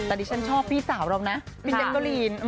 ตอนนี้ฉันชอบพี่สาวเรานะพี่เย็นโกรีน